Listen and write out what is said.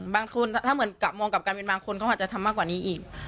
บางคนถ้าเหมือนกับมองกับการเป็นบางคนเขาอาจจะทำมากกว่านี้อีก